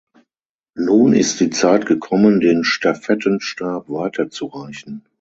Nun ist die Zeit gekommen, den Stafettenstab weiter zu reichen.